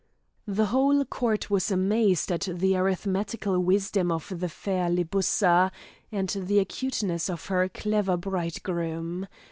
The whole court was amazed at the arithmetical wisdom of the fair Libussa, and the acuteness of her clever bridegroom.